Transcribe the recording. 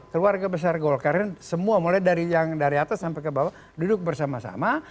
keluarga besar golkar semua mulai dari atas sampai ke bawah duduk bersama sama